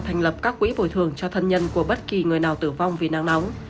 thành lập các quỹ bồi thường cho thân nhân của bất kỳ người nào tử vong vì nắng nóng